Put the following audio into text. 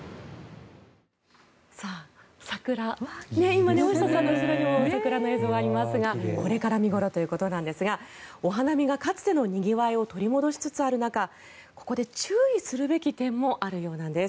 今、大下さんの後ろにも桜の映像がありますがこれから見頃ということなんですがお花見が、かつてのにぎわいを取り戻しつつある中ここで注意するべき点もあるようなんです。